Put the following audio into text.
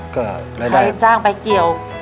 ใครจ้างไปเกี่ยว